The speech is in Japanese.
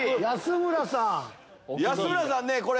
安村さんね